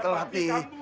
kita udah telat nih